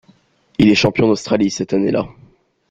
Il est champion d'Australie cette année-là.